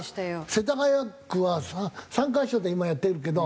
世田谷区は３カ所で今やってるけど。